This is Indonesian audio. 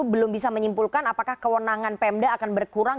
belum bisa menyimpulkan apakah kewenangan pemda akan berkurang